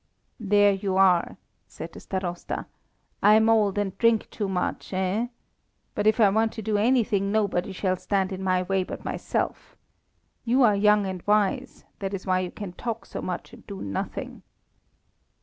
_" "There you are," said the Starosta. "I'm old, and drink too much, eh? But if I want to do anything, nobody shall stand in my way but myself. You are young and wise; that is why you can talk so much and do nothing."